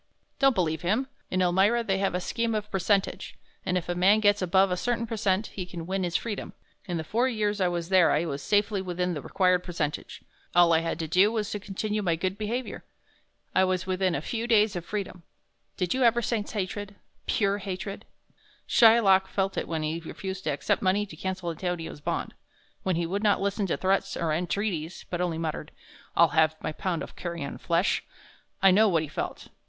"Don't believe him. In Elmira they have a scheme of percentage, and if a man gets above a certain percent he can win his freedom. In the four years I was there I was safely within the required percentage all I had to do was to continue my good behavior. I was within a few days of freedom. Did you ever sense hatred pure hatred? Shylock felt it when he refused to accept money to cancel Antonio's bond; when he would not listen to threats or entreaties, but only muttered, 'I'll have my pound of carrion flesh.' I know what he felt.